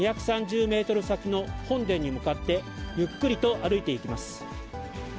２３０メートル先の本殿に向かって、ゆっくりと歩いていきます。